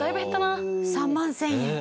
一気に３万１０００円。